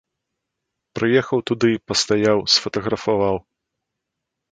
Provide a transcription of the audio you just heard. Прыехаў туды, пастаяў, сфатаграфаваў!